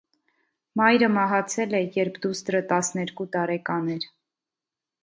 Մայրը մահացել է, երբ դուստրը տասներկու տարեկան էր։